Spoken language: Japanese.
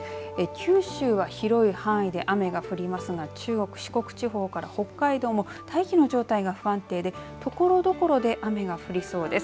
九州は広い範囲で雨が降りますが中国、四国地方から北海道も大気の状態が不安定でところどころで雨が降りそうです。